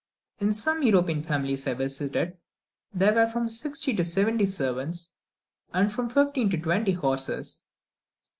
In some European families I visited there were from sixty to seventy servants, and from fifteen to twenty horses.